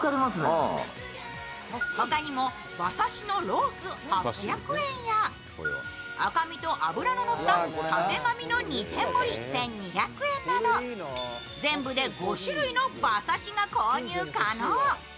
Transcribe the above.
他にも馬刺しのロース８００円や赤身と脂の乗ったたてがみの２点盛り１２００円など全部で５種類の馬刺しが購入可能。